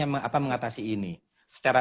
yang mengatasi ini secara